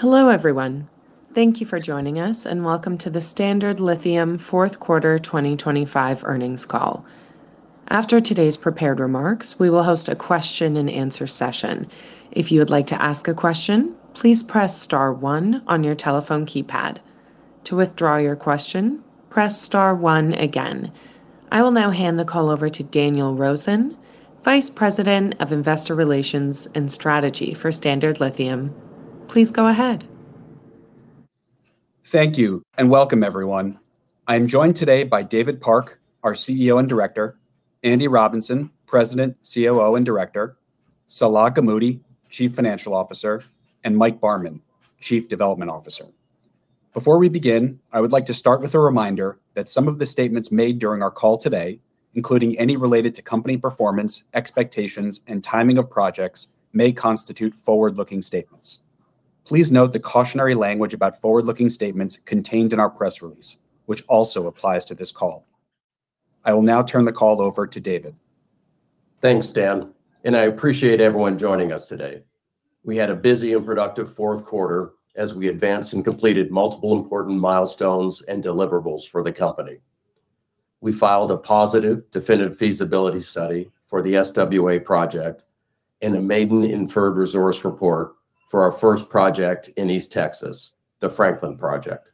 Hello, everyone. Thank you for joining us, and welcome to the Standard Lithium Fourth Quarter 2025 Earnings Call. After today's prepared remarks, we will host a Q&A session. If you would like to ask a question, please press star one on your telephone keypad. To withdraw your question, press star one again. I will now hand the call over to Daniel Rosen, Vice President of Investor Relations and Strategy for Standard Lithium. Please go ahead. Thank you, and welcome everyone. I am joined today by David Park, our CEO and Director, Andy Robinson, President, COO, and Director, Salah Gamoudi, Chief Financial Officer, and Mike Barman, Chief Development Officer. Before we begin, I would like to start with a reminder that some of the statements made during our call today, including any related to company performance, expectations, and timing of projects, may constitute forward-looking statements. Please note the cautionary language about forward-looking statements contained in our press release, which also applies to this call. I will now turn the call over to David. Thanks, Dan, and I appreciate everyone joining us today. We had a busy and productive fourth quarter as we advanced and completed multiple important milestones and deliverables for the company. We filed a positive definitive feasibility study for the SWA project and a maiden inferred resource report for our first project in East Texas, the Franklin Project.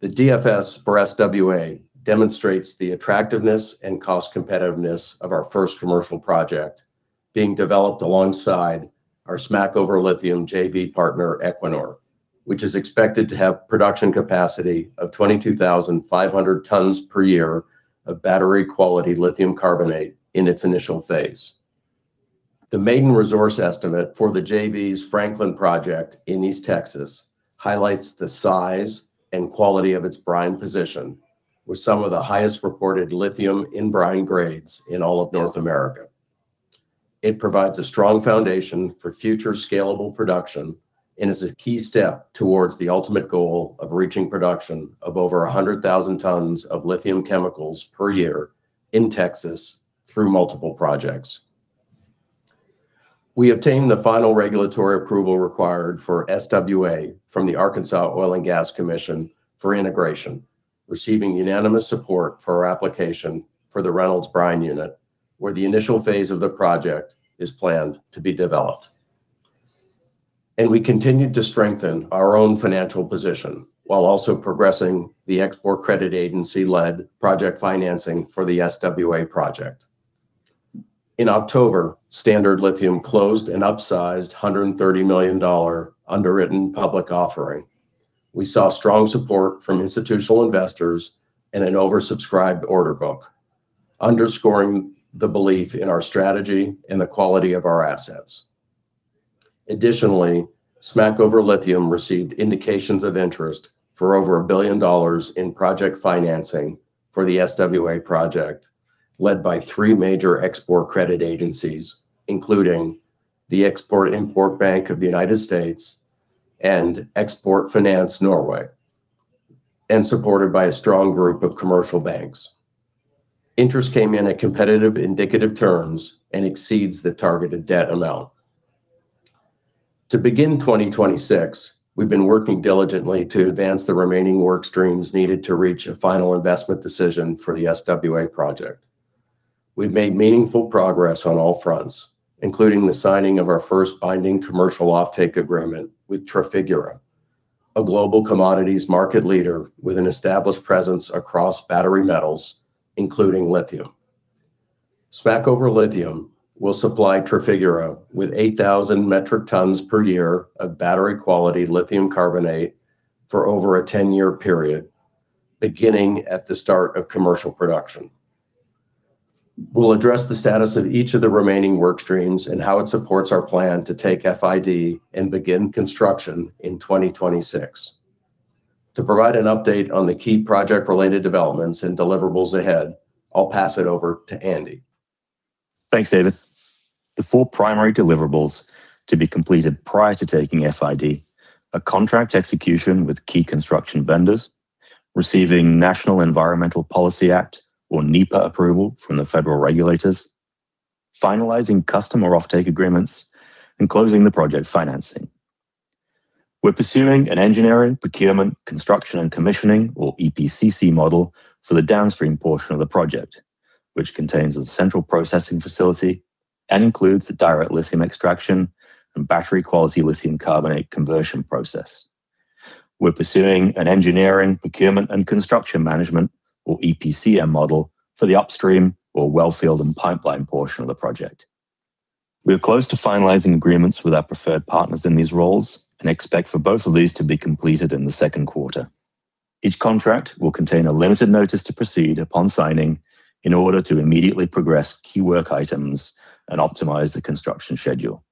The DFS for SWA demonstrates the attractiveness and cost competitiveness of our first commercial project being developed alongside our Smackover Lithium JV partner, Equinor, which is expected to have production capacity of 22,500 tons per year of battery quality lithium carbonate in its initial phase. The maiden resource estimate for the JV's Franklin Project in East Texas highlights the size and quality of its brine position with some of the highest reported lithium in brine grades in all of North America. It provides a strong foundation for future scalable production and is a key step towards the ultimate goal of reaching production of over 100,000 tons of lithium chemicals per year in Texas through multiple projects. We obtained the final regulatory approval required for SWA from the Arkansas Oil and Gas Commission for integration, receiving unanimous support for our application for the Reynolds Brine unit, where the initial phase of the project is planned to be developed. We continued to strengthen our own financial position while also progressing the Export Credit Agency-led project financing for the SWA project. In October, Standard Lithium closed an upsized $130 million underwritten public offering. We saw strong support from institutional investors and an oversubscribed order book, underscoring the belief in our strategy and the quality of our assets. Additionally, Smackover Lithium received indications of interest for over $1 billion in project financing for the SWA project led by three major export credit agencies, including the Export-Import Bank of the United States and Export Finance Norway, and supported by a strong group of commercial banks. Interest came in at competitive indicative terms and exceeds the targeted debt amount. To begin 2026, we've been working diligently to advance the remaining work streams needed to reach a final investment decision for the SWA project. We've made meaningful progress on all fronts, including the signing of our first binding commercial offtake agreement with Trafigura, a global commodities market leader with an established presence across battery metals, including lithium. Smackover Lithium will supply Trafigura with 8,000 metric tons per year of battery quality lithium carbonate for over a 10-year period, beginning at the start of commercial production. We'll address the status of each of the remaining work streams and how it supports our plan to take FID and begin construction in 2026. To provide an update on the key project related developments and deliverables ahead, I'll pass it over to Andy. Thanks, David. The four primary deliverables to be completed prior to taking FID are contract execution with key construction vendors, receiving National Environmental Policy Act or NEPA approval from the federal regulators, finalizing customer offtake agreements, and closing the project financing. We're pursuing an engineering, procurement, construction, and commissioning or EPCC model for the downstream portion of the project, which contains a central processing facility and includes the direct lithium extraction and battery quality lithium carbonate conversion process. We're pursuing an engineering, procurement, and construction management or EPCM model for the upstream or well field and pipeline portion of the project. We are close to finalizing agreements with our preferred partners in these roles and expect for both of these to be completed in the second quarter. Each contract will contain a limited notice to proceed upon signing in order to immediately progress key work items and optimize the construction schedule.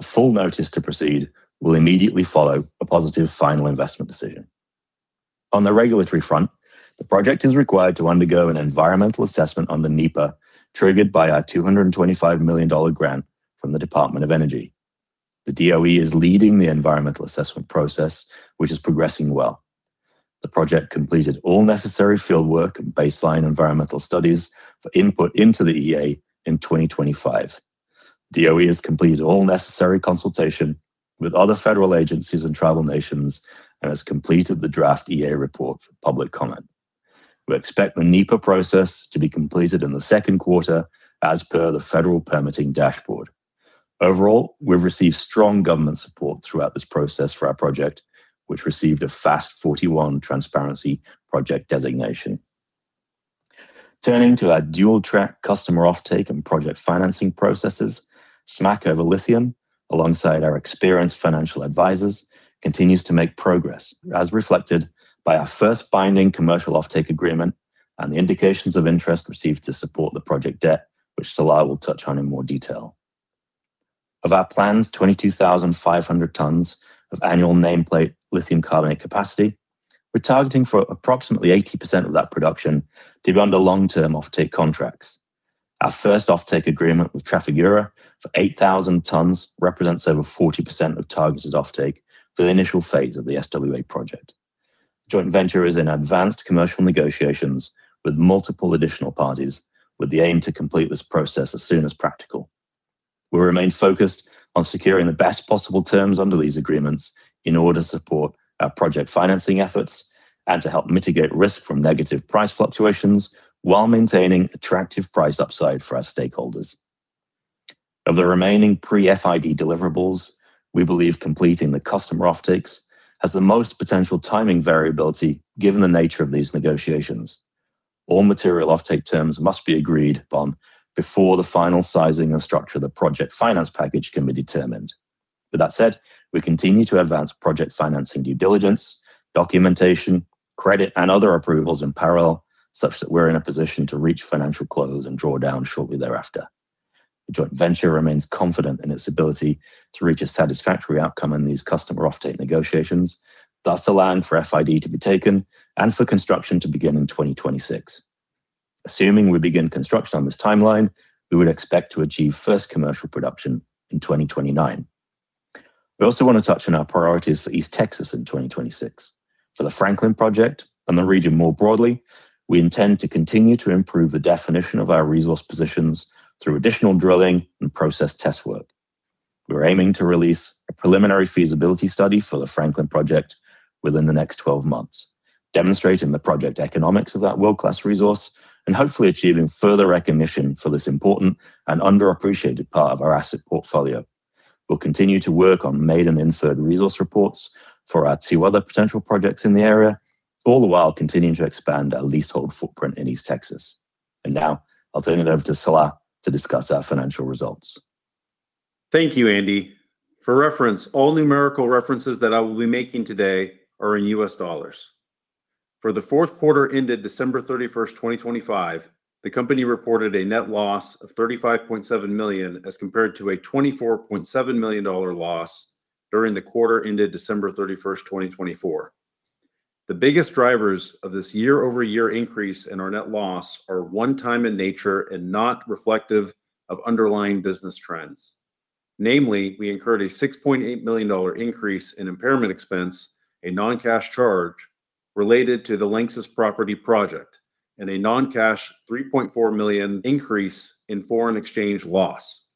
A full notice to proceed will immediately follow a positive final investment decision. On the regulatory front, the project is required to undergo an environmental assessment under the NEPA triggered by our $225 million grant from the Department of Energy. The DOE is leading the environmental assessment process, which is progressing well. The project completed all necessary field work and baseline environmental studies for input into the EA in 2025. DOE has completed all necessary consultation with other federal agencies and tribal nations, and has completed the draft EA report for public comment. We expect the NEPA process to be completed in the second quarter as per the federal permitting dashboard. Overall, we've received strong government support throughout this process for our project, which received a FAST-41 transparency project designation. Turning to our dual-track customer offtake and project financing processes, Smackover Lithium, alongside our experienced financial advisors, continues to make progress, as reflected by our first binding commercial offtake agreement and the indications of interest received to support the project debt, which Salah will touch on in more detail. Of our planned 22,500 tons of annual nameplate lithium carbonate capacity, we're targeting for approximately 80% of that production to be under long-term offtake contracts. Our first offtake agreement with Trafigura for 8,000 tons represents over 40% of targeted offtake for the initial phase of the SWA project. Joint venture is in advanced commercial negotiations with multiple additional parties with the aim to complete this process as soon as practical. We remain focused on securing the best possible terms under these agreements in order to support our project financing efforts and to help mitigate risk from negative price fluctuations while maintaining attractive price upside for our stakeholders. Of the remaining pre-FID deliverables, we believe completing the customer offtakes has the most potential timing variability given the nature of these negotiations. All material offtake terms must be agreed upon before the final sizing and structure of the project finance package can be determined. With that said, we continue to advance project financing due diligence, documentation, credit, and other approvals in parallel, such that we're in a position to reach financial close and draw down shortly thereafter. The joint venture remains confident in its ability to reach a satisfactory outcome in these customer offtake negotiations, thus allowing for FID to be taken and for construction to begin in 2026. Assuming we begin construction on this timeline, we would expect to achieve first commercial production in 2029. We also want to touch on our priorities for East Texas in 2026. For the Franklin project and the region more broadly, we intend to continue to improve the definition of our resource positions through additional drilling and process test work. We're aiming to release a preliminary feasibility study for the Franklin project within the next 12 months, demonstrating the project economics of that world-class resource and hopefully achieving further recognition for this important and underappreciated part of our asset portfolio. We'll continue to work on measured and inferred resource reports for our two other potential projects in the area, all the while continuing to expand our leasehold footprint in East Texas. Now I'll turn it over to Salah to discuss our financial results. Thank you, Andy. For reference, all numerical references that I will be making today are in US dollars. For the fourth quarter ended December 31, 2025, the company reported a net loss of $35.7 million as compared to a $24.7 million loss during the quarter ended December 31, 2024. The biggest drivers of this year-over-year increase in our net loss are one-time in nature and not reflective of underlying business trends. Namely, we incurred a $6.8 million increase in impairment expense, a non-cash charge related to the LANXESS property project and a non-cash $3.4 million increase in foreign exchange loss.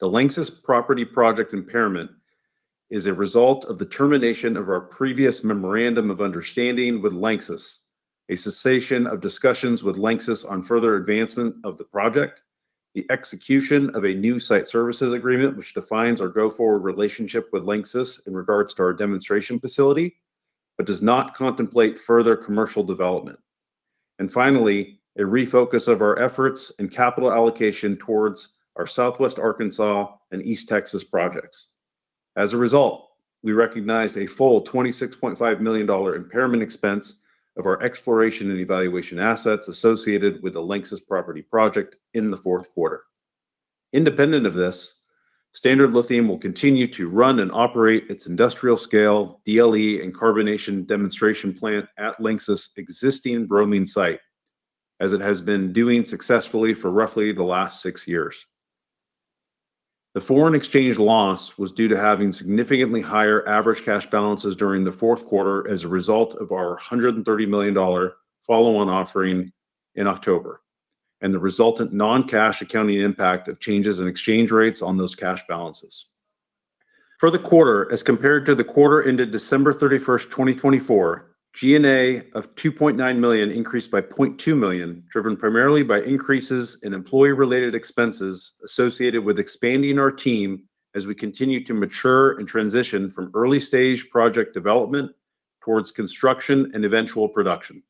The LANXESS Property project impairment is a result of the termination of our previous memorandum of understanding with LANXESS, a cessation of discussions with LANXESS on further advancement of the project, the execution of a new site services agreement which defines our go-forward relationship with LANXESS in regards to our demonstration facility but does not contemplate further commercial development. Finally, a refocus of our efforts and capital allocation towards our Southwest Arkansas and East Texas projects. As a result, we recognized a full $26.5 million impairment expense of our exploration and evaluation assets associated with the LANXESS Property project in the fourth quarter. Independent of this, Standard Lithium will continue to run and operate its industrial scale DLE and carbonation demonstration plant at LANXESS' existing bromine site, as it has been doing successfully for roughly the last six years. The foreign exchange loss was due to having significantly higher average cash balances during the fourth quarter as a result of our $130 million follow-on offering in October, and the resultant non-cash accounting impact of changes in exchange rates on those cash balances. For the quarter, as compared to the quarter ended December 31, 2024, G&A of $2.9 million increased by $0.2 million, driven primarily by increases in employee-related expenses associated with expanding our team as we continue to mature and transition from early-stage project development towards construction and eventual production.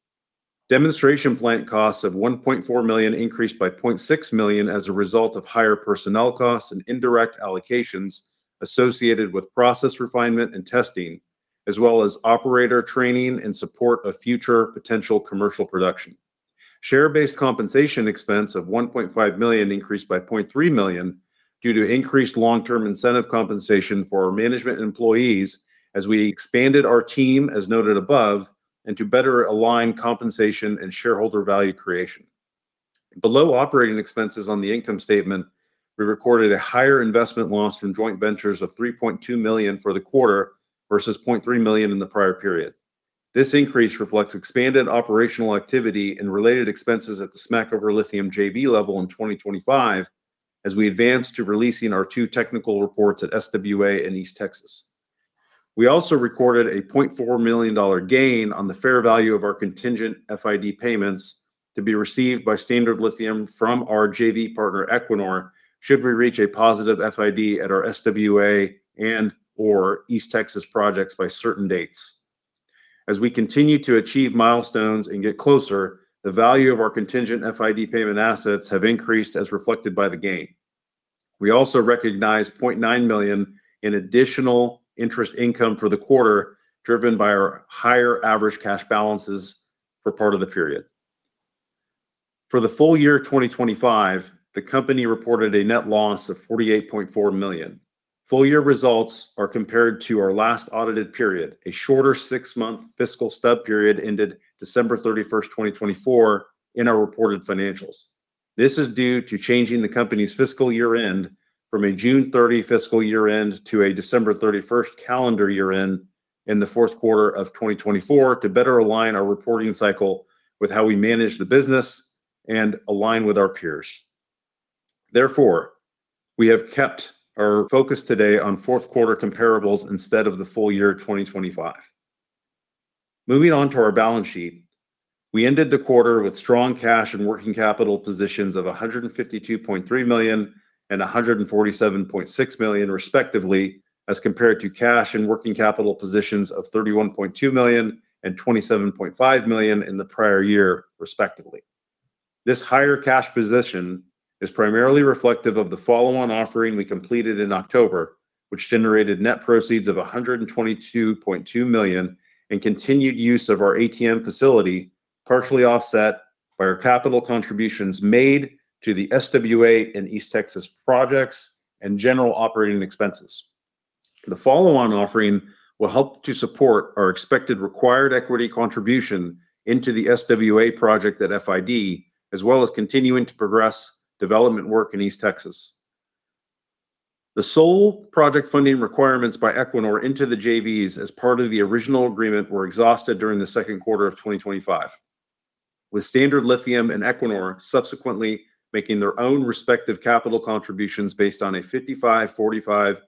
Demonstration plant costs of $1.4 million increased by $0.6 million as a result of higher personnel costs and indirect allocations associated with process refinement and testing, as well as operator training and support of future potential commercial production. Share-based compensation expense of $1.5 million increased by $0.3 million due to increased long-term incentive compensation for our management and employees as we expanded our team as noted above, and to better align compensation and shareholder value creation. Below operating expenses on the income statement we recorded a higher investment loss from joint ventures of $3.2 million for the quarter versus $0.3 million in the prior period. This increase reflects expanded operational activity and related expenses at the Smackover Lithium JV level in 2025 as we advance to releasing our two technical reports at SWA and East Texas. We also recorded a $0.4 million gain on the fair value of our contingent FID payments to be received by Standard Lithium from our JV partner, Equinor, should we reach a positive FID at our SWA and or East Texas projects by certain dates. As we continue to achieve milestones and get closer, the value of our contingent FID payment assets have increased as reflected by the gain. We also recognized $0.9 million in additional interest income for the quarter, driven by our higher average cash balances for part of the period. For the full year of 2025, the company reported a net loss of $48.4 million. Full year results are compared to our last audited period, a shorter six-month fiscal stub period ended December 31, 2024, in our reported financials. This is due to changing the company's fiscal year-end from a June 30 fiscal year-end to a December 31 calendar year-end in the fourth quarter of 2024 to better align our reporting cycle with how we manage the business and align with our peers. Therefore, we have kept our focus today on fourth quarter comparables instead of the full year 2025. Moving on to our balance sheet. We ended the quarter with strong cash and working capital positions of $152.3 million and $147.6 million respectively, as compared to cash and working capital positions of $31.2 million and $27.5 million in the prior year, respectively. This higher cash position is primarily reflective of the follow-on offering we completed in October, which generated net proceeds of $122.2 million and continued use of our ATM facility, partially offset by our capital contributions made to the SWA in East Texas projects and general operating expenses. The follow-on offering will help to support our expected required equity contribution into the SWA project at FID, as well as continuing to progress development work in East Texas. The sole project funding requirements by Equinor into the JVs as part of the original agreement were exhausted during the second quarter of 2025, with Standard Lithium and Equinor subsequently making their own respective capital contributions based on a 55%/45%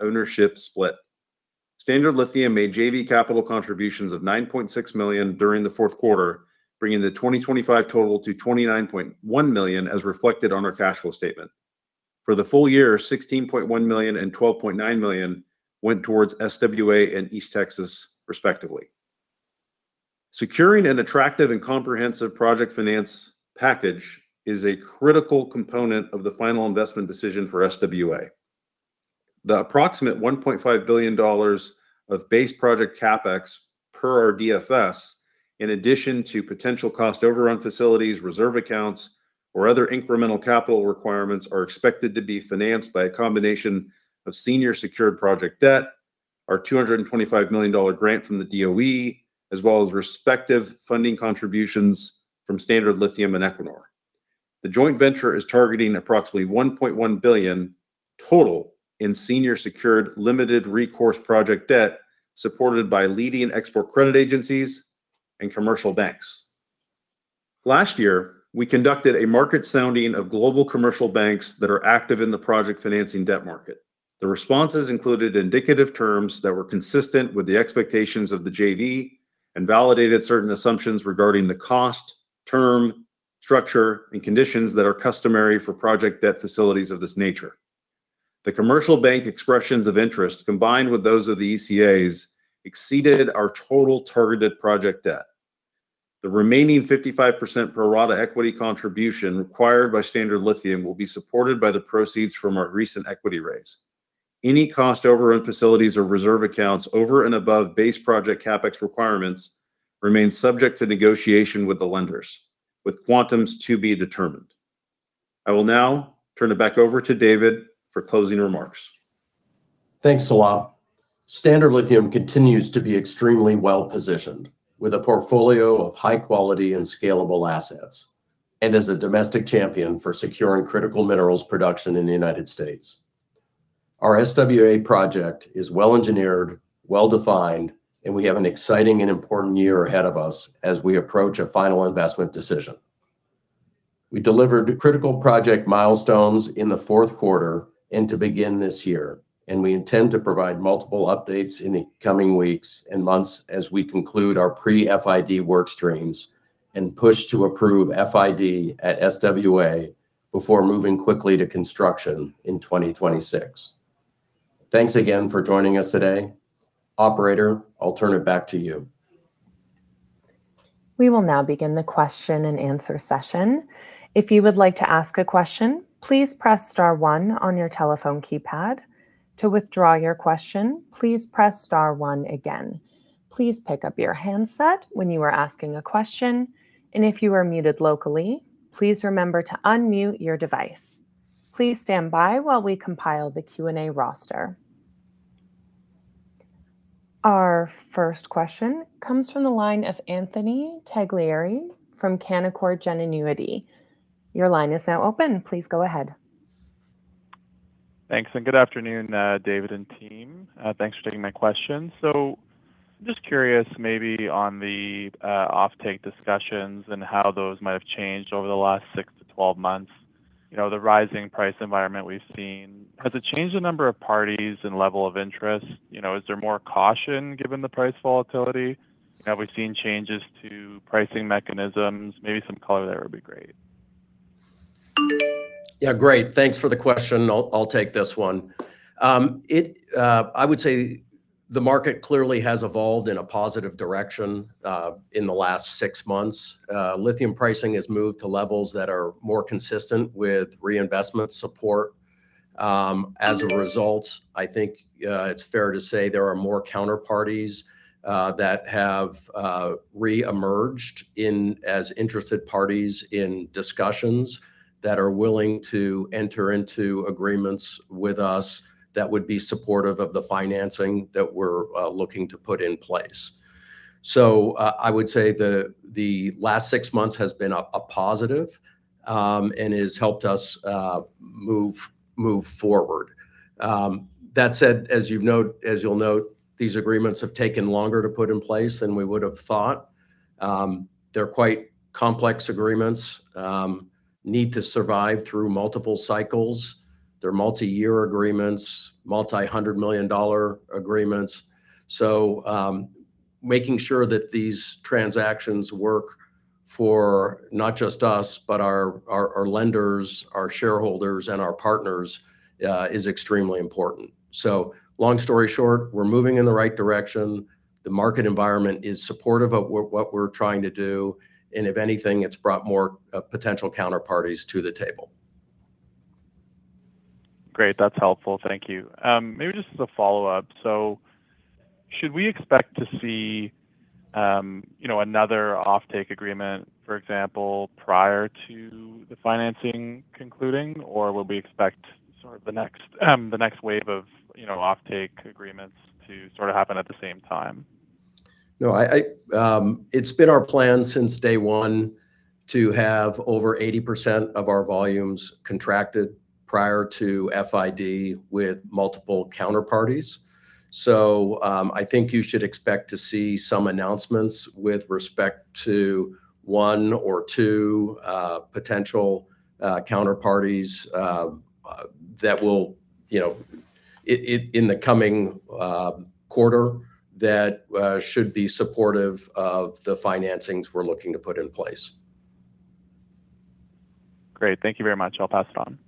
ownership split. Standard Lithium made JV capital contributions of $9.6 million during the fourth quarter, bringing the 2025 total to $29.1 million, as reflected on our cash flow statement. For the full year, $16.1 million and $12.9 million went towards SWA and East Texas respectively. Securing an attractive and comprehensive project finance package is a critical component of the final investment decision for SWA. The approximate $1.5 billion of base project CapEx per our DFS, in addition to potential cost overrun facilities, reserve accounts or other incremental capital requirements, are expected to be financed by a combination of senior secured project debt, our $225 million grant from the DOE, as well as respective funding contributions from Standard Lithium and Equinor. The joint venture is targeting approximately $1.1 billion total in senior secured limited recourse project debt, supported by leading export credit agencies and commercial banks. Last year, we conducted a market sounding of global commercial banks that are active in the project financing debt market. The responses included indicative terms that were consistent with the expectations of the JV and validated certain assumptions regarding the cost, term, structure and conditions that are customary for project debt facilities of this nature. The commercial bank expressions of interest, combined with those of the ECAs, exceeded our total targeted project debt. The remaining 55% pro rata equity contribution required by Standard Lithium will be supported by the proceeds from our recent equity raise. Any cost overrun facilities or reserve accounts over and above base project CapEx requirements remain subject to negotiation with the lenders, with quantums to be determined. I will now turn it back over to David for closing remarks. Thanks, Salah. Standard Lithium continues to be extremely well positioned, with a portfolio of high quality and scalable assets, and as a domestic champion for securing critical minerals production in the United States. Our SWA project is well engineered, well defined, and we have an exciting and important year ahead of us as we approach a final investment decision. We delivered critical project milestones in the fourth quarter and to begin this year, and we intend to provide multiple updates in the coming weeks and months as we conclude our pre-FID work streams and push to approve FID at SWA before moving quickly to construction in 2026. Thanks again for joining us today. Operator, I'll turn it back to you. We will now begin the Q&A session. If you would like to ask a question, please press star one on your telephone keypad. To withdraw your question, please press star one again. Please pick up your handset when you are asking a question, and if you are muted locally, please remember to unmute your device. Please stand by while we compile the Q&A roster. Our first question comes from the line of Anthony Taglieri from Canaccord Genuity. Your line is now open. Please go ahead. Thanks, and good afternoon, David and team. Thanks for taking my question. Just curious maybe on the offtake discussions and how those might have changed over the last six to 12 months. You know, the rising price environment we've seen, has it changed the number of parties and level of interest? You know, is there more caution given the price volatility? Have we seen changes to pricing mechanisms? Maybe some color there would be great. Yeah, great. Thanks for the question. I'll take this one. I would say the market clearly has evolved in a positive direction in the last six months. Lithium pricing has moved to levels that are more consistent with reinvestment support. As a result, I think it's fair to say there are more counterparties that have reemerged as interested parties in discussions that are willing to enter into agreements with us that would be supportive of the financing that we're looking to put in place. I would say the last six months has been a positive and has helped us move forward. That said, as you'll note, these agreements have taken longer to put in place than we would have thought. They're quite complex agreements that need to survive through multiple cycles. They're multi-year agreements, multi-hundred-million-dollar agreements. Making sure that these transactions work for not just us, but our lenders, our shareholders, and our partners is extremely important. Long story short, we're moving in the right direction. The market environment is supportive of what we're trying to do, and if anything, it's brought more potential counterparties to the table. Great. That's helpful. Thank you. Maybe just as a follow-up, should we expect to see, you know, another offtake agreement, for example, prior to the financing concluding? Or would we expect sort of the next wave of, you know, offtake agreements to sort of happen at the same time? No, I it's been our plan since day one to have over 80% of our volumes contracted prior to FID with multiple counterparties. I think you should expect to see some announcements with respect to one or two potential counterparties that will, you know, in the coming quarter that should be supportive of the financings we're looking to put in place. Great. Thank you very much. I'll pass it on.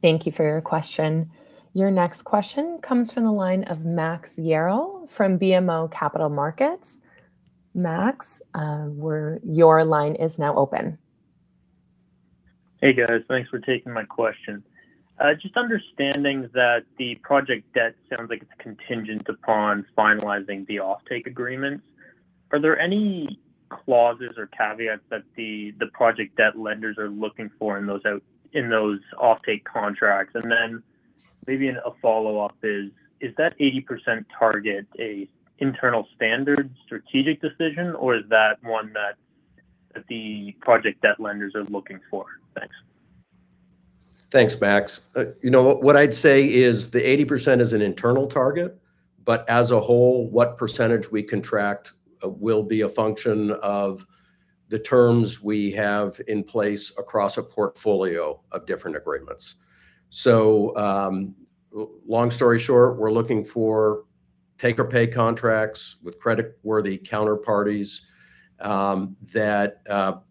Thank you for your question. Your next question comes from the line of Max Yerrill from BMO Capital Markets. Max, your line is now open. Hey, guys. Thanks for taking my question. Just understanding that the project debt sounds like it's contingent upon finalizing the offtake agreements, are there any clauses or caveats that the project debt lenders are looking for in those offtake contracts? Maybe a follow-up is that 80% target an internal standard strategic decision, or is that one that the project debt lenders are looking for? Thanks. Thanks, Max. You know what I'd say is the 80% is an internal target, but as a whole, what percentage we contract will be a function of the terms we have in place across a portfolio of different agreements. Long story short, we're looking for take or pay contracts with credit-worthy counterparties that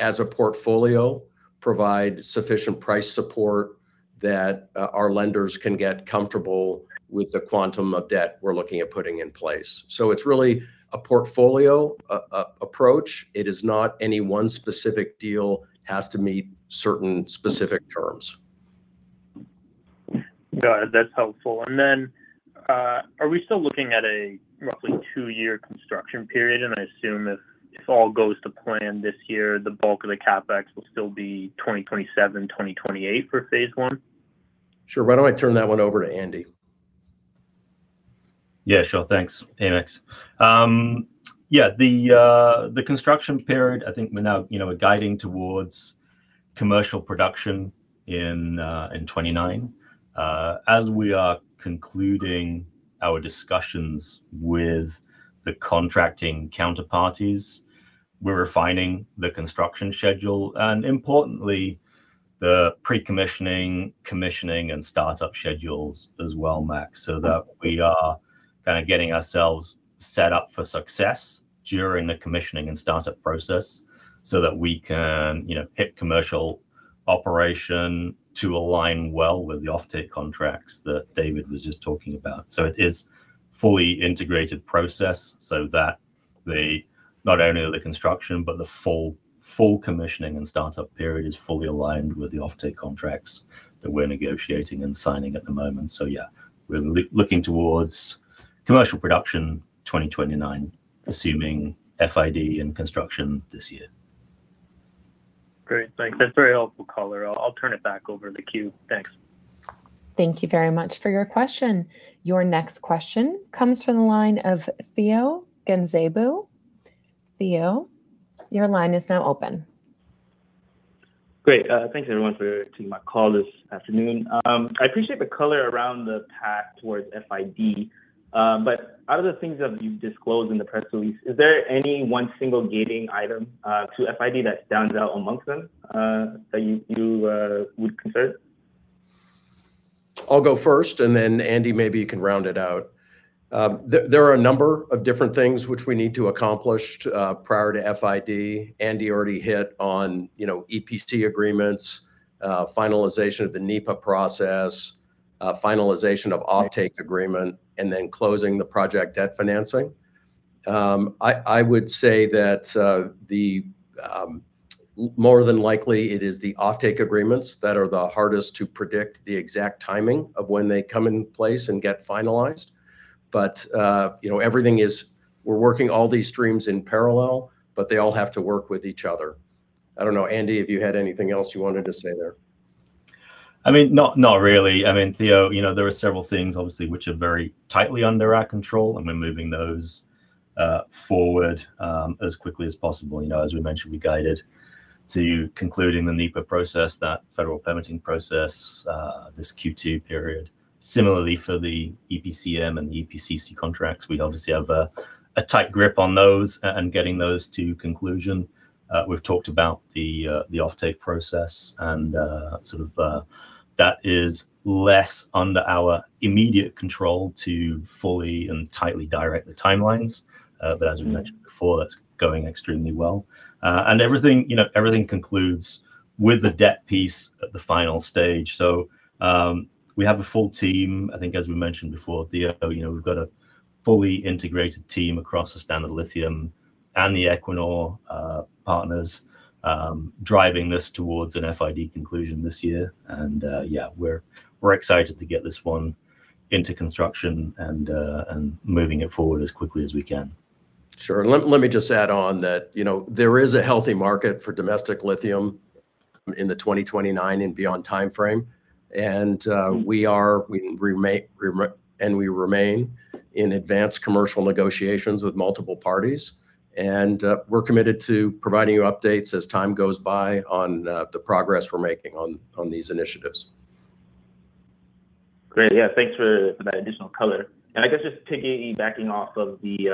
as a portfolio provide sufficient price support that our lenders can get comfortable with the quantum of debt we're looking at putting in place. It's really a portfolio approach. It is not any one specific deal has to meet certain specific terms. Got it. That's helpful. Are we still looking at a roughly two-year construction period? I assume if all goes to plan this year, the bulk of the CapEx will still be 2027-2028 for phase one. Sure. Why don't I turn that one over to Andy? Yeah, sure. Thanks. Hey, Max. Yeah, the construction period, I think we're now, you know, we're guiding towards commercial production in 2029. As we are concluding our discussions with the contracting counterparties, we're refining the construction schedule and importantly, the pre-commissioning, commissioning, and startup schedules as well, Max, so that we are kinda getting ourselves set up for success during the commissioning and startup process so that we can, you know, hit commercial operation to align well with the offtake contracts that David was just talking about. It is fully integrated process so that not only the construction, but the full commissioning and startup period is fully aligned with the offtake contracts that we're negotiating and signing at the moment. Yeah, we're looking towards commercial production 2029, assuming FID and construction this year. Great. Thanks. That's very helpful color. I'll turn it back over to the queue. Thanks. Thank you very much for your question. Your next question comes from the line of Theo Genzebu. Theo, your line is now open. Great. Thanks everyone for taking my call this afternoon. I appreciate the color around the path towards FID, but out of the things that you've disclosed in the press release, is there any one single gating item to FID that stands out amongst them, that you would consider? I'll go first, and then Andy maybe can round it out. There are a number of different things which we need to accomplish prior to FID. Andy already hit on, you know, EPC agreements, finalization of the NEPA process, finalization of offtake agreement and then closing the project debt financing. I would say that more than likely it is the offtake agreements that are the hardest to predict the exact timing of when they come in place and get finalized. You know, we're working all these streams in parallel, but they all have to work with each other. I don't know, Andy, if you had anything else you wanted to say there. I mean, not really. I mean, Theo, you know, there are several things obviously which are very tightly under our control, and we're moving those forward as quickly as possible. You know, as we mentioned, we guided to concluding the NEPA process, that federal permitting process, this Q2 period. Similarly for the EPCM and the EPCC contracts, we obviously have a tight grip on those and getting those to conclusion. We've talked about the offtake process and sort of that is less under our immediate control to fully and tightly direct the timelines. As we mentioned before, that's going extremely well. Everything, you know, everything concludes with the debt piece at the final stage. We have a full team, I think as we mentioned before, Theo. You know, we've got a fully integrated team across the Standard Lithium and the Equinor partners driving this towards an FID conclusion this year. Yeah, we're excited to get this one into construction and moving it forward as quickly as we can. Sure. Let me just add on that, you know, there is a healthy market for domestic lithium in the 2029 and beyond timeframe. We remain in advanced commercial negotiations with multiple parties. We're committed to providing you updates as time goes by on the progress we're making on these initiatives. Great. Yeah, thanks for that additional color. I guess just piggybacking off of the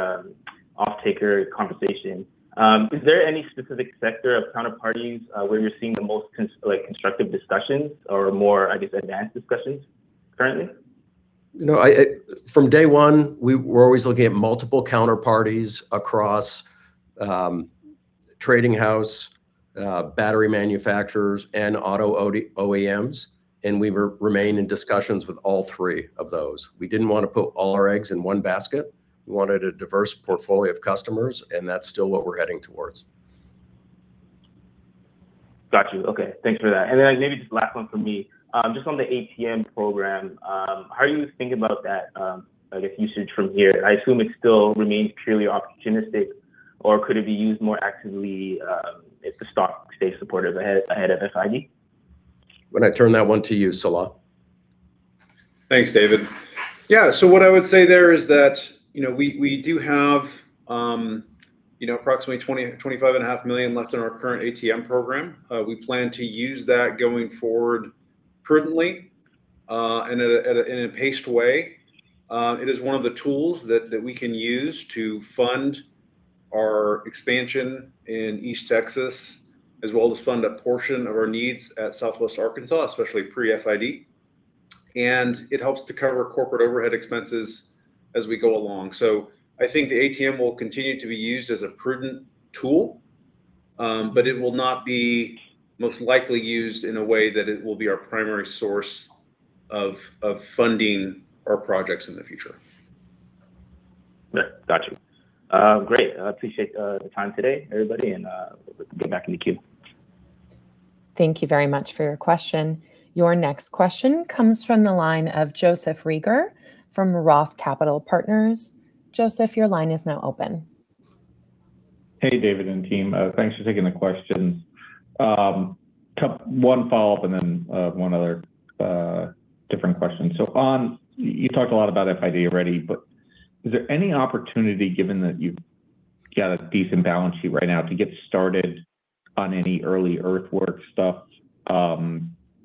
offtaker conversation, is there any specific sector of counterparties where you're seeing the most constructive discussions or more, I guess, advanced discussions currently? You know, from day one, we were always looking at multiple counterparties across trading house, battery manufacturers and auto OEMs, and we remain in discussions with all three of those. We didn't wanna put all our eggs in one basket. We wanted a diverse portfolio of customers, and that's still what we're heading towards. Got you. Okay. Thanks for that. Maybe just last one from me. Just on the ATM program, how are you thinking about that, I guess, usage from here? I assume it still remains purely opportunistic, or could it be used more actively, if the stock stays supportive ahead of FID? I'm gonna turn that one to you, Salah. Thanks, David. Yeah. What I would say there is that, you know, we do have approximately $20 million-$25.5 million left in our current ATM program. We plan to use that going forward prudently and in a paced way. It is one of the tools that we can use to fund our expansion in East Texas, as well as fund a portion of our needs at Southwest Arkansas, especially pre-FID. It helps to cover corporate overhead expenses as we go along. I think the ATM will continue to be used as a prudent tool, but it will not be most likely used in a way that it will be our primary source of funding our projects in the future. Yeah. Got you. Great. I appreciate the time today, everybody, and get back in the queue. Thank you very much for your question. Your next question comes from the line of Joseph Reagor from ROTH Capital Partners. Joseph, your line is now open. Hey, David and team. Thanks for taking the questions. One follow-up and then one other different question. You talked a lot about FID already, but is there any opportunity, given that you've got a decent balance sheet right now, to get started on any early earthwork stuff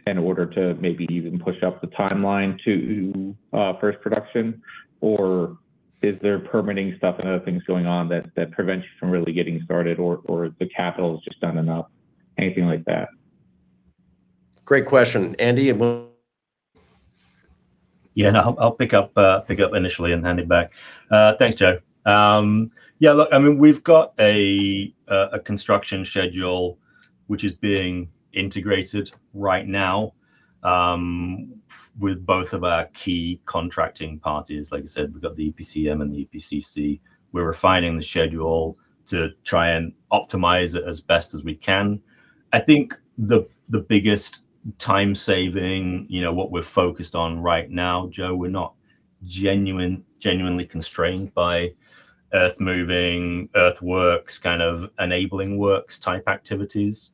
in order to maybe even push up the timeline to first production? Or is there permitting stuff and other things going on that prevent you from really getting started or the capital is just not enough? Anything like that. Great question. Andy, you wanna. Yeah. No, I'll pick up initially and hand it back. Thanks, Joe. Yeah, look, I mean, we've got a construction schedule which is being integrated right now with both of our key contracting parties. Like I said, we've got the EPCM and the EPCC. We're refining the schedule to try and optimize it as best as we can. I think the biggest time saving, you know, what we're focused on right now, Joe, we're not genuinely constrained by earth moving, earthworks, kind of enabling works type activities.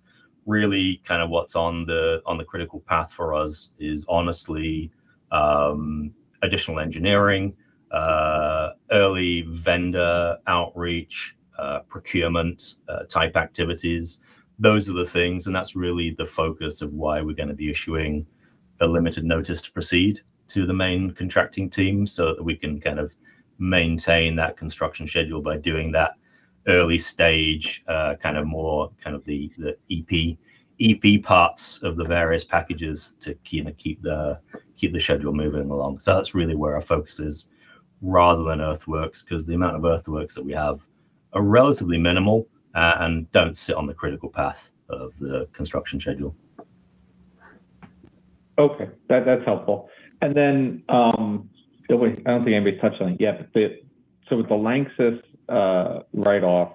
Really kind of what's on the critical path for us is honestly additional engineering, early vendor outreach, procurement type activities. Those are the things, and that's really the focus of why we're going to be issuing a limited notice to proceed to the main contracting team so that we can kind of maintain that construction schedule by doing that early stage kind of more kind of the EPC parts of the various packages to kind of keep the schedule moving along. That's really where our focus is rather than earthworks, because the amount of earthworks that we have are relatively minimal and don't sit on the critical path of the construction schedule. Okay. That's helpful. I don't think anybody's touched on it yet, but with the LANXESS write-off,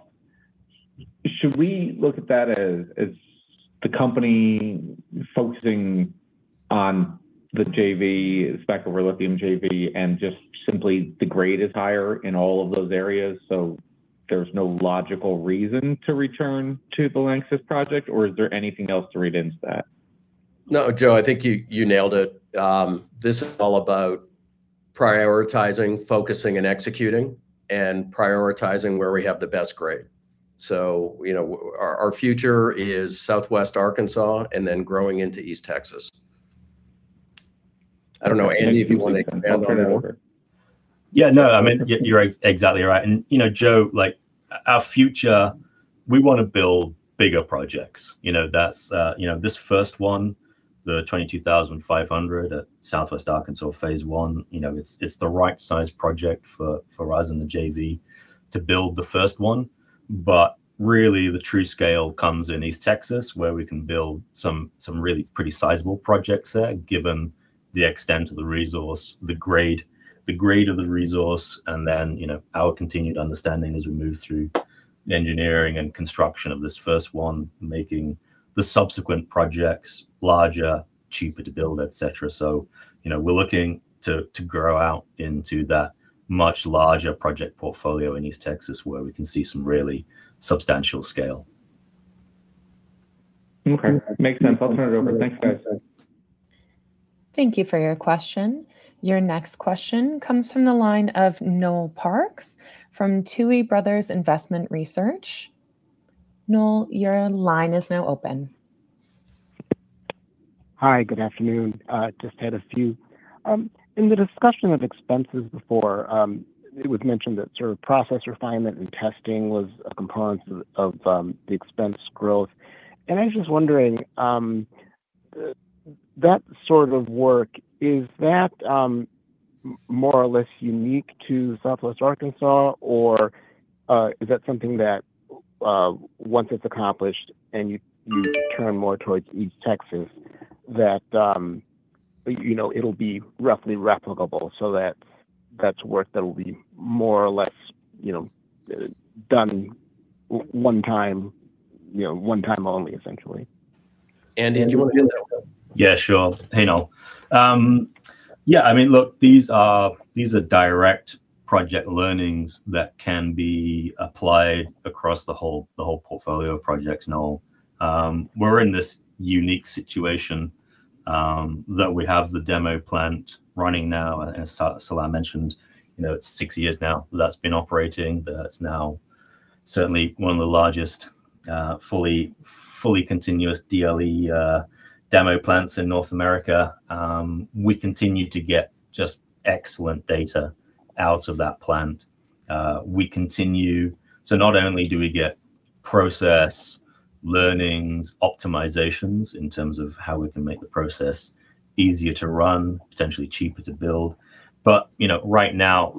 should we look at that as the company focusing on the JV, the Smackover Lithium JV, and just simply the grade is higher in all of those areas, so there's no logical reason to return to the LANXESS project? Or is there anything else to read into that? No, Joe, I think you nailed it. This is all about prioritizing, focusing, and executing and prioritizing where we have the best grade. You know, our future is Southwest Arkansas and then growing into East Texas. I don't know, Andy, if you want to expand on that. Yeah, no, I mean, you're exactly right. You know, Joe, like our future, we want to build bigger projects. You know, that's, you know, this first one, the 22,500 at Southwest Arkansas phase one, you know, it's the right size project for us and the JV to build the first one. Really the true scale comes in East Texas, where we can build some really pretty sizable projects there, given the extent of the resource, the grade of the resource, and then, you know, our continued understanding as we move through engineering and construction of this first one, making the subsequent projects larger, cheaper to build, et cetera. You know, we're looking to grow out into that much larger project portfolio in East Texas where we can see some really substantial scale. Okay. Makes sense. I'll turn it over. Thanks, guys. Thank you for your question. Your next question comes from the line of Noel Parks from Tuohy Brothers Investment Research. Noel, your line is now open. Hi, good afternoon. I just had a few. In the discussion of expenses before, it was mentioned that sort of process refinement and testing was a component of the expense growth. I was just wondering, that sort of work, is that more or less unique to Southwest Arkansas? Or is that something that once it's accomplished and you turn more towards East Texas that you know it'll be roughly replicable so that that's work that will be more or less you know done one time you know one time only, essentially. Andy, do you want to do that? Yeah, sure. Hey, Noel. Yeah, I mean, look, these are direct project learnings that can be applied across the whole portfolio of projects, Noel. We're in this unique situation that we have the demo plant running now. As Salah mentioned, you know, it's six years now that's been operating. That's now certainly one of the largest fully continuous DLE demo plants in North America. We continue to get just excellent data out of that plant. We continue- Not only do we get process learnings, optimizations in terms of how we can make the process easier to run, potentially cheaper to build, but, you know, right now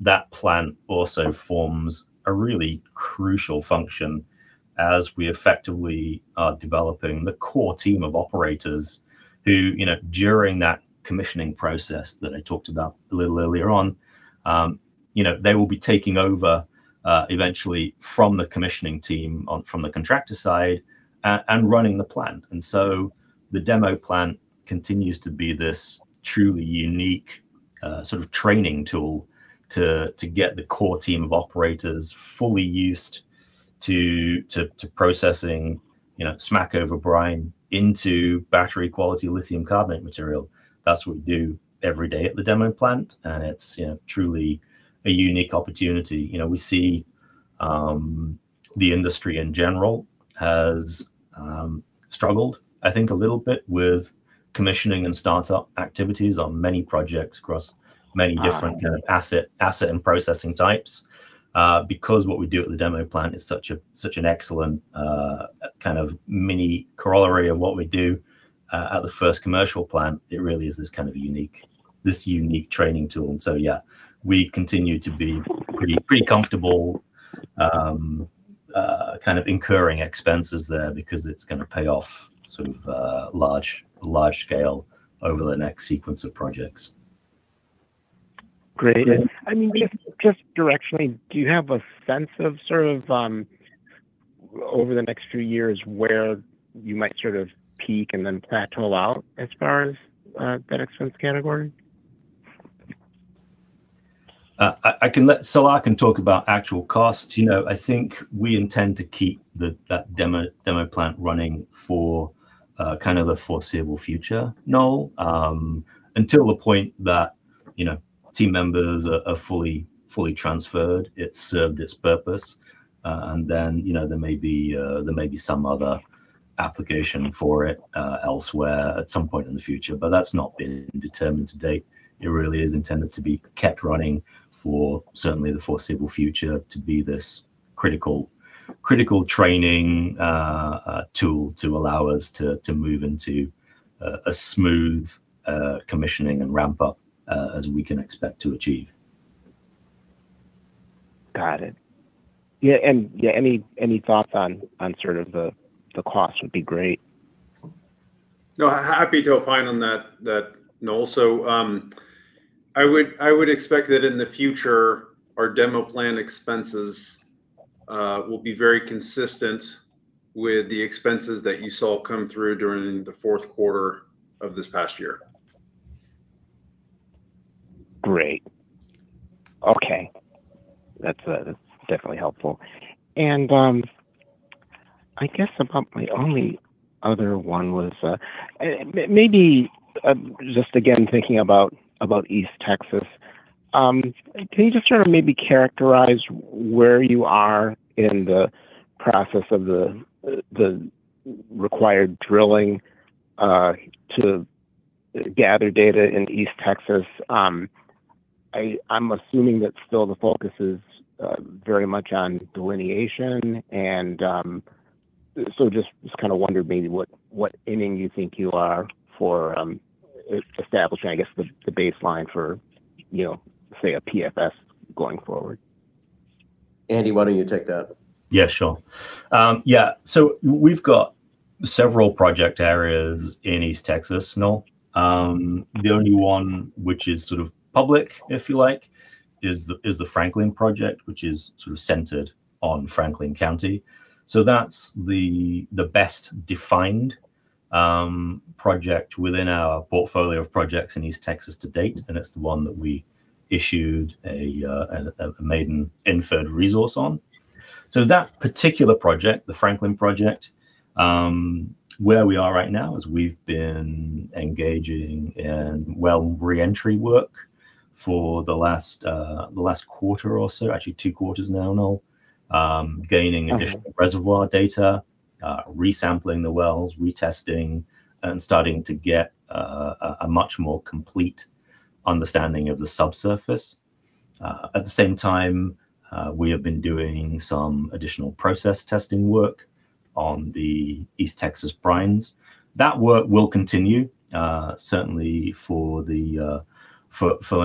that plant also forms a really crucial function as we effectively are developing the core team of operators who, you know, during that commissioning process that I talked about a little earlier on, you know, they will be taking over eventually from the commissioning team on, from the contractor side and running the plant. The demo plant continues to be this truly unique sort of training tool to get the core team of operators fully used to processing, you know, Smackover brine into battery quality lithium carbonate material. That's what we do every day at the demo plant, and it's, you know, truly a unique opportunity. You know, we see the industry in general has struggled, I think a little bit with commissioning and startup activities on many projects across many different kind of asset and processing types. Because what we do at the demo plant is such an excellent kind of mini corollary of what we do at the first commercial plant, it really is this unique training tool. Yeah, we continue to be pretty comfortable kind of incurring expenses there because it's going to pay off sort of large scale over the next sequence of projects. Great. I mean, just directionally, do you have a sense of sort of over the next few years where you might sort of peak and then plateau out as far as that expense category? I can let Salah talk about actual costs. You know, I think we intend to keep that demo plant running for kind of the foreseeable future, Noel. Until the point that, you know, team members are fully transferred, it's served its purpose. Then, you know, there may be some other application for it elsewhere at some point in the future. But that's not been determined to date. It really is intended to be kept running for certainly the foreseeable future to be this critical training tool to allow us to move into a smooth commissioning and ramp up as we can expect to achieve. Got it. Yeah, and yeah, any thoughts on sort of the cost would be great. No, happy to opine on that, Noel. I would expect that in the future, our demo plant expenses will be very consistent with the expenses that you saw come through during the fourth quarter of this past year. Great. Okay. That's definitely helpful. I guess my only other one was maybe just again thinking about East Texas. Can you just try to maybe characterize where you are in the process of the required drilling to gather data in East Texas? I'm assuming that still the focus is very much on delineation. Just kind of wonder maybe what inning you think you are for establishing, I guess, the baseline for, you know, say a PFS going forward. Andy, why don't you take that? Yeah, sure. We've got several project areas in East Texas, Noel. The only one which is sort of public, if you like, is the Franklin project, which is sort of centered on Franklin County. That's the best defined project within our portfolio of projects in East Texas to date, and it's the one that we issued a maiden inferred resource on. That particular project, the Franklin project, where we are right now is we've been engaging in well re-entry work for the last quarter or so, actually two quarters now, Noel. Gaining additional reservoir data, re-sampling the wells, retesting, and starting to get a much more complete understanding of the subsurface. At the same time, we have been doing some additional process testing work on the East Texas brines. That work will continue, certainly for the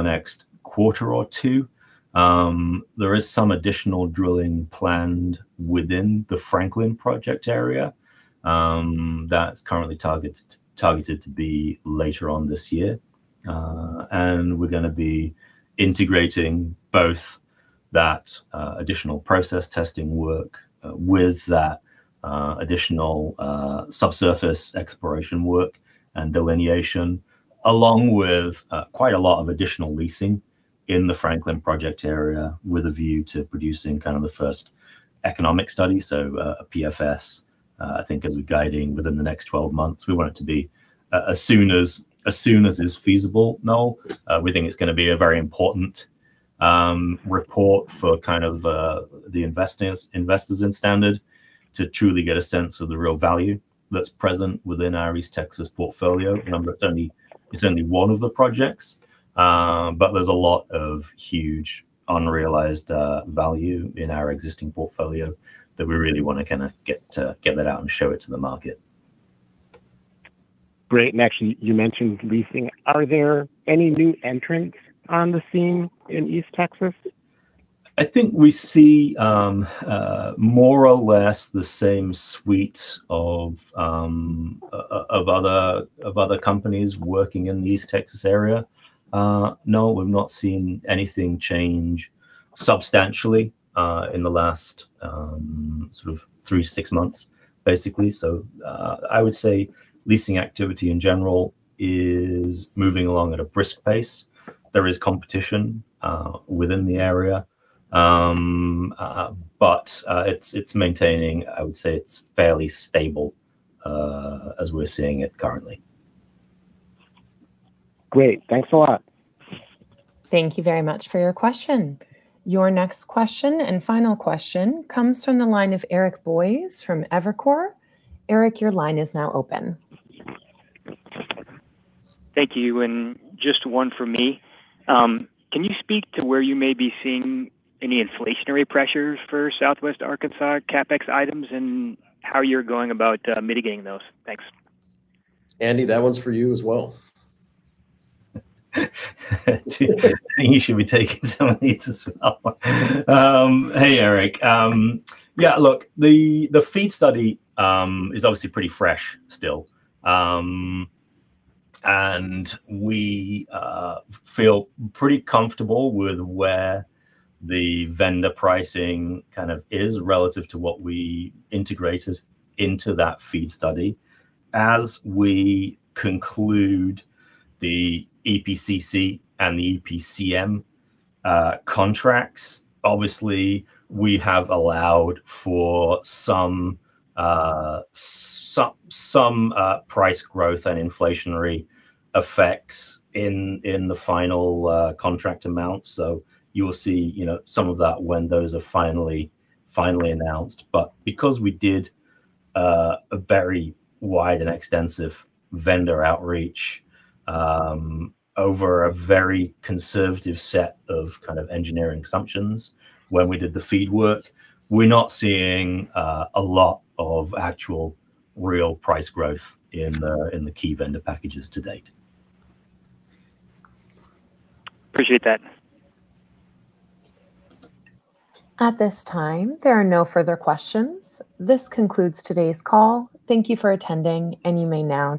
next quarter or two. There is some additional drilling planned within the Franklin project area that's currently targeted to be later on this year. We're gonna be integrating both that additional process testing work with that additional subsurface exploration work and delineation, along with quite a lot of additional leasing in the Franklin project area with a view to producing kind of the first economic study. A PFS, I think it'll be out within the next 12 months. We want it to be as soon as is feasible, Noel. We think it's gonna be a very important report for kind of the investors in Standard to truly get a sense of the real value that's present within our East Texas portfolio. Remember, it's only one of the projects, but there's a lot of huge unrealized value in our existing portfolio that we really wanna kinda get that out and show it to the market. Great. Actually, you mentioned leasing. Are there any new entrants on the scene in East Texas? I think we see more or less the same suite of other companies working in the East Texas area. No, we've not seen anything change substantially in the last sort of three to six months, basically. I would say leasing activity in general is moving along at a brisk pace. There is competition within the area. It's maintaining. I would say it's fairly stable as we're seeing it currently. Great. Thanks a lot. Thank you very much for your question. Your next question and final question comes from the line of Eric Boyes from Evercore. Eric, your line is now open. Thank you, just one for me. Can you speak to where you may be seeing any inflationary pressures for Southwest Arkansas CapEx items and how you're going about mitigating those? Thanks. Andy, that one's for you as well. I think you should be taking some of these as well. Hey, Eric. Yeah, look, the FEED study is obviously pretty fresh still. We feel pretty comfortable with where the vendor pricing kind of is relative to what we integrated into that FEED study. As we conclude the EPCC and the EPCM contracts, obviously we have allowed for some price growth and inflationary effects in the final contract amount. You will see, you know, some of that when those are finally announced. Because we did a very wide and extensive vendor outreach over a very conservative set of kind of engineering assumptions when we did the FEED work, we're not seeing a lot of actual real price growth in the key vendor packages to date. Appreciate that. At this time, there are no further questions. This concludes today's call. Thank you for attending, and you may now disconnect.